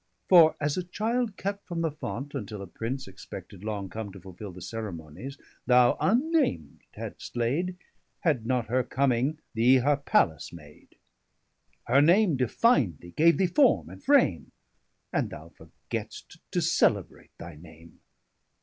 For as a child kept from the Font, untill A prince, expected long, come to fulfill The ceremonies, thou unnam'd had'st laid, 35 Had not her comming, thee her Palace made: Her name defin'd thee, gave thee forme, and frame, And thou forgett'st to celebrate thy name.